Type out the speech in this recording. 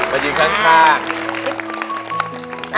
มายืนข้าง